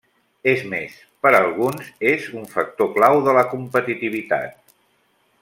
És més, per a alguns és un factor clau de la competitivitat.